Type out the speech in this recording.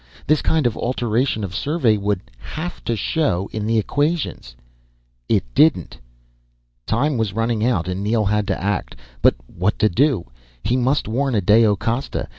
This kind of alteration of survey would have to show in the equations. It didn't. Time was running out and Neel had to act. But what to do? He must warn Adao Costa.